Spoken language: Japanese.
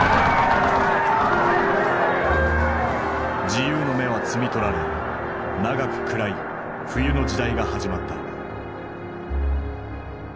自由の芽は摘み取られ長く暗い冬の時代が始まった。